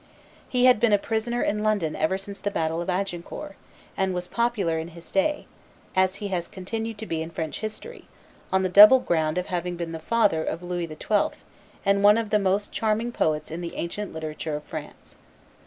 He had been a prisoner in London ever since the battle of Agincourt, and was popular in his day, as he has continued to be in French history, on the double ground of having been the father of Louis XII. and one of the most charming poets in the ancient literature of France.